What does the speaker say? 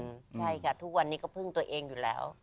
ใช่ค่ะทุกวันนี้ก็พึ่งตัวเองอยู่แล้ว